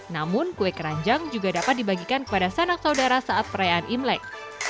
namun kue keranjang juga dapat dibagikan kepada sanak saudara saat perayaan imlek